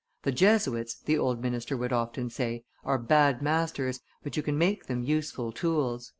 "The Jesuits," the old minister would often say, "are bad masters, but you can make them useful tools."